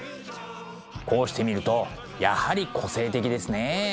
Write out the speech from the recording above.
こうして見るとやはり個性的ですね。